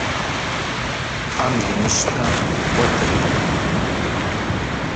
Ӏэм имыщтэ кӀуэдыркъым.